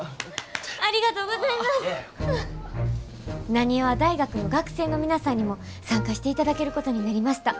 浪速大学の学生の皆さんにも参加していただけることになりました。